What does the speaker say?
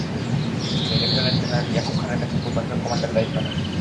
তিনি lieutenant general Yakub খানের কাছ থেকে পূর্বাঞ্চল কমান্ডের দায়িত্ব নেন।